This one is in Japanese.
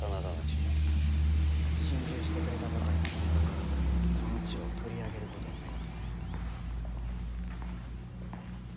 臣従してくれたばかりの真田からその地を取り上げることになります。